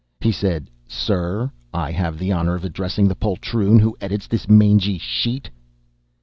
He said, "Sir, have I the honor of addressing the poltroon who edits this mangy sheet?"